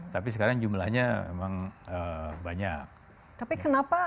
tapi sekarang jumlahnya memang banyak